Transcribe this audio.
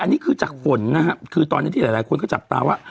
อันนี้คือจากฝนนะฮะคือตอนนี้ที่หลายคนก็จับตาว่า